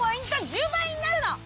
１０倍になるの！